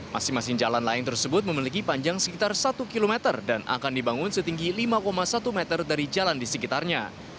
masing masing jalan layang tersebut memiliki panjang sekitar satu km dan akan dibangun setinggi lima satu meter dari jalan di sekitarnya